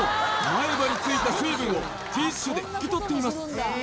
前歯についた水分をティッシュで拭き取っています